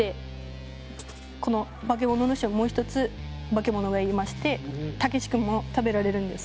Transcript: この化け物の後ろにもう１つ化け物がいましてたけし君も食べられるんです。